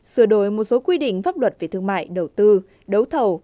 sửa đổi một số quy định pháp luật về thương mại đầu tư đấu thầu